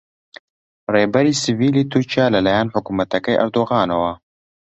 ڕێبەری سڤیلی تورکیا لەلایەن حکوومەتەکەی ئەردۆغانەوە